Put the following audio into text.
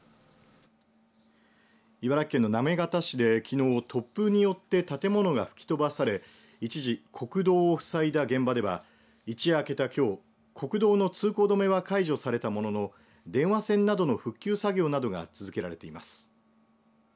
茨城県の行方市できのう、突風によって建物が吹き飛ばされ一時国道を塞いだ現場では一夜明けたきょう国道の通行止めは解除されたものの電話線などの復旧作業などが続けられています。